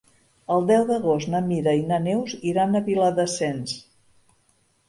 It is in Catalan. El deu d'agost na Mira i na Neus iran a Viladasens.